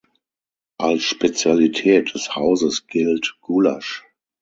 Als Spezialität des Hauses gilt Gulasch.